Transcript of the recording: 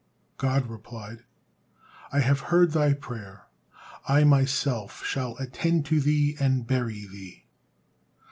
God replied: "I have heard thy prayer. I Myself shall attend to thee and bury thee."